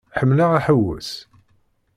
Ḥemmleɣ aḥewwes.